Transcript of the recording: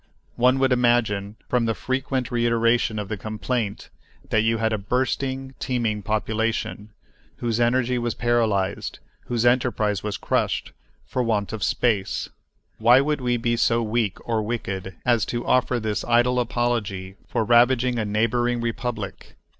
One would imagine, from the frequent reiteration of the complaint, that you had a bursting, teeming population, whose energy was paralyzed, whose enterprise was crushed, for want of space. Why should we be so weak or wicked as to offer this idle apology for ravaging a neighboring Republic?